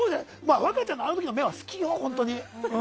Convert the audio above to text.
若ちゃんのあの時の目は好きよ。